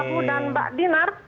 pengangat prabu dan mbak dinar